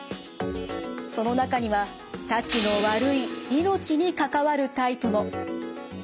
その中にはたちの悪い命に関わるタイプも。